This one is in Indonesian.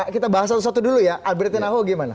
kita bahas satu satu dulu ya alberti nahu gimana